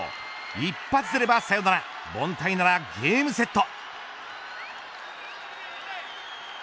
一発出ればサヨナラ凡退ならゲームセット。